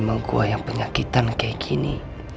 tapi memang gue yang penyakitan kayak gini